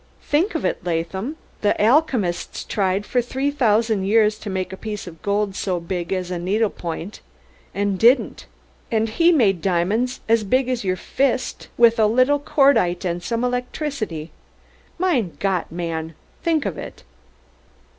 "Think of id, Laadham, der alchemisds tried for dhree thousand years to make a piece of gold so big as a needle point und didn'd; und he made diamonds so big as your fist mit a liddle cordide und some elecdricity! Mein Gott, man! Think of id!"